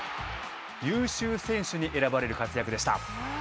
優秀選手に選ばれる活躍でした。